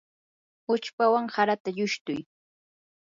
uchpawan harata llushtuy.